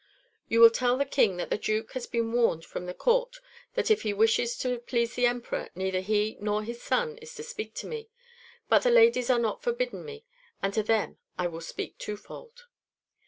"You will tell the King that the Duke has been warned from the Court that if he wishes to please the Emperor neither he nor his son is to speak to me; but the ladies are not forbidden me, and to them I will speak twofold."